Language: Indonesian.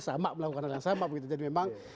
sama melakukan hal yang sama begitu jadi memang